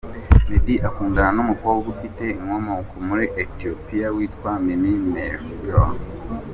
Meddy akundana n’umukobwa ufite inkomoko muri Ethiopia, witwa Mimi Mehfira.